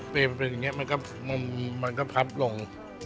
เปรย์มันเป็นอย่างเงี้ยมันก็พับลง